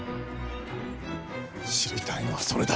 知りたいのはそれだッ！